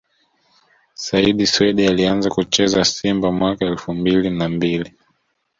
Said Swedi Alianza kucheza Simba mwaka elfu mbili na mbili